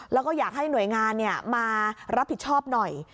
แล้วก็อยากให้หน่วยงานมารับผิดชอบหน่อย